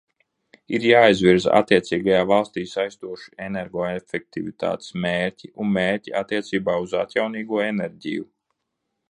Ir jāizvirza attiecīgajā valstī saistoši energoefektivitātes mērķi un mērķi attiecībā uz atjaunīgo enerģiju.